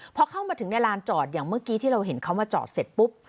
พอเข้ามาถึงในลานจอดอย่างเมื่อกี้ที่เราเห็นเขามาจอดเสร็จปุ๊บ